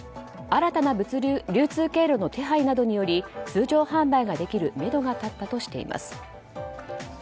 新たな流通経路の手配などにより通常販売ができるめどが立ったとしています。